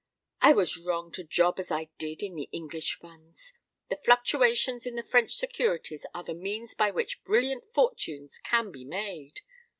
I was wrong to job as I did in the English funds. The fluctuations in the French securities are the means by which brilliant fortunes can be made!